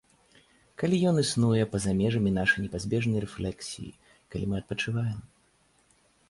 Калі ён існуе па-за межамі нашай непазбежнай рэфлексіі, калі мы адпачываем.